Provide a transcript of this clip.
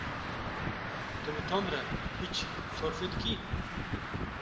Tu bi Tom re hîç sorfê dikî?